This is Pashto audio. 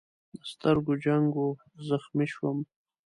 د سترګو جنګ و، زخمي شوم.